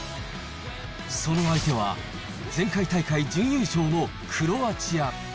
その相手は、前回大会準優勝のクロアチア。